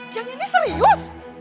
yang ini serius